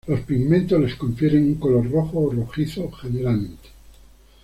Los pigmentos les confieren un color rojo o rojizo, generalmente.